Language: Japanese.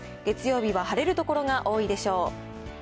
月曜日は晴れる所が多いでしょう。